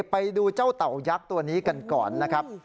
ไปดูเจ้าเต่ายักษ์ตัวนี้กันก่อนนะครับ